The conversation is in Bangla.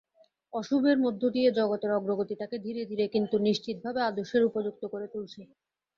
অশুভের মধ্য দিয়ে জগতের অগ্রগতি তাকে ধীরে ধীরে কিন্তু নিশ্চিতভাবে আদর্শের উপযুক্ত করে তুলছে।